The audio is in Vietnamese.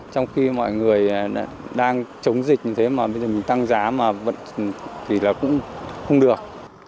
trong khi mọi người đang chống dịch như thế mà bây giờ mình tăng giá mà thì là cũng không được